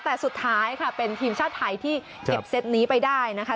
แต่สุดท้ายค่ะเป็นทีมชาติไทยที่เก็บเซตนี้ไปได้นะคะ